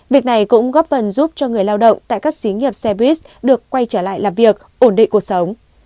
việc này cũng góp phần giúp cho người lao động tại các xí nghiệp xe buýt được quay trở lại làm việc ổn định cuộc sống